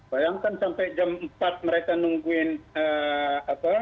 bayangkan sampai jam empat mereka